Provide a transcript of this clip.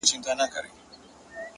علم د ژوند لوری بدلوي!